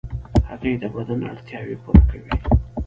هګۍ د بدن اړتیاوې پوره کوي.